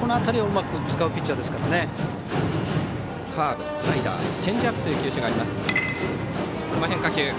この辺りをうまく使うカーブ、スライダーチェンジアップという球種があります。